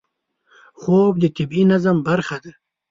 خوب د طبیعي نظم برخه ده